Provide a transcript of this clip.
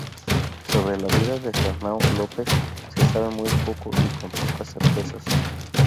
Sobre la vida de Fernão Lopes se sabe muy poco y con pocas certezas.